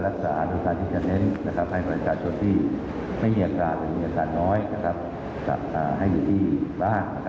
เราจะจัดยาไปให้เครื่องวิทยาภัณฑ์ต่าง